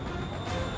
dan memakan jiwa rakyat